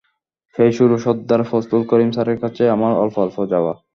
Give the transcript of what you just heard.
সেই শুরু সরদার ফজলুল করিম স্যারের কাছে আমার অল্প অল্প যাওয়া।